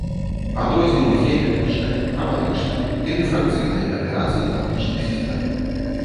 Адрозніваюць геаметрычныя, храматычныя і дыфракцыйныя аберацыі аптычных сістэм.